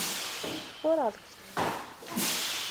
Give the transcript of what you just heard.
Qquṛeɣ deg usemmiḍ.